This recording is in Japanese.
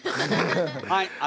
はい。